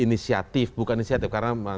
inisiatif bukan inisiatif karena